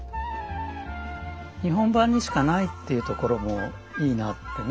日本版にしかないっていうところもいいなってね